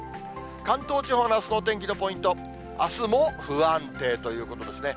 関東地方のあすのお天気のポイント、あすも不安定ということですね。